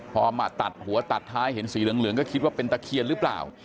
พอมาตัดหัวตัดท้ายเห็นสีเหลืองก็คิดว่าเป็นตะเคียนหรือเปล่า